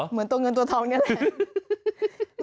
เหมือนตัวเงินตัวทองนี่แหละ